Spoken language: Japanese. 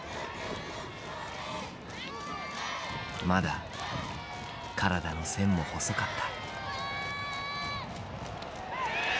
まだ体の線も細かった。